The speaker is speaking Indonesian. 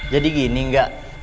jadi gini gak